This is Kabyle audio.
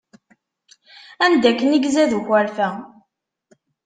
Anda akken i izad ukerfa.